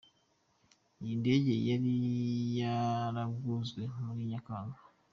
Iyi ndege yari yaraguzwe muri Nyakanga